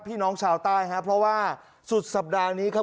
พี่น้องชาวใต้ครับเพราะว่าสุดสัปดาห์นี้ครับ